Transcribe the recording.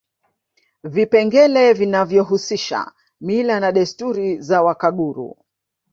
Vipengele vinavyohusisha mila na desturi za Wakaguru